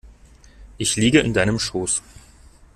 Ich liege in deinem Schoß.